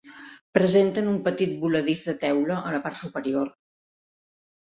Presenten un petit voladís de teula a la part superior.